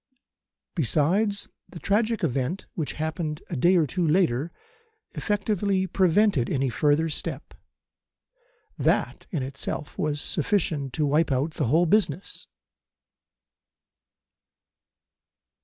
Besides, the tragic event which happened a day or two later effectively prevented any further step. That in itself was sufficient to wipe out the whole business.